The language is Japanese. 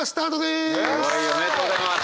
おめでとうございます！